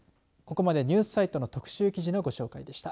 ここまでニュースサイトの特集記事のっご紹介でした。